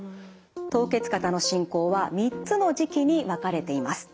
凍結肩の進行は３つの時期に分かれています。